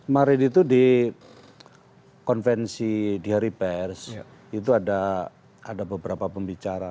marin itu di konvensi di hari pers itu ada beberapa pembicara